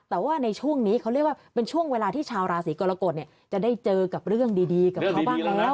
แต่ว่าในช่วงนี้เขาเรียกว่าเป็นช่วงเวลาที่ชาวราศีกรกฎจะได้เจอกับเรื่องดีกับเขาบ้างแล้ว